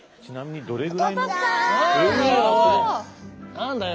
何だよ